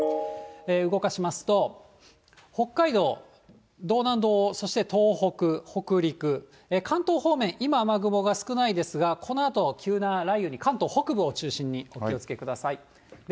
動かしますと、北海道、道南道、そして東北、北陸、関東方面、今、雨雲少ないですが、このあと急な雷雨に関東北部を中心にお気をつけください。